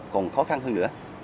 còn khó khăn hơn nữa